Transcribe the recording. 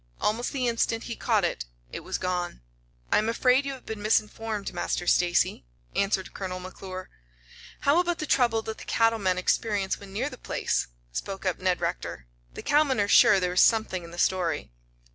Almost the instant he caught it it was gone. "I'm afraid you have been misinformed, Master Stacy," answered Colonel McClure. "How about the trouble that the cattle men experience when near the place?" spoke up Ned Rector. "The cowmen are sure there is something in the story."